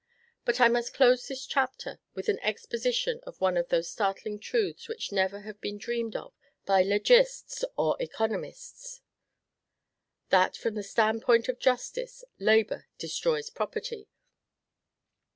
But I must close this chapter with an exposition of one of those startling truths which never have been dreamed of by legists or economists. % 8. That, from the Stand point of Justice, Labor destroys Property.